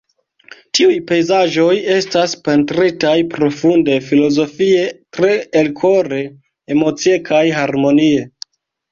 Tiuj pejzaĝoj estas pentritaj profunde filozofie, tre elkore, emocie kaj harmonie.